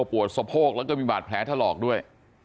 ปวดสะโพกแล้วก็มีบาดแผลถลอกด้วย